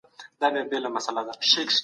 زموږ خلک زیارکښ دي.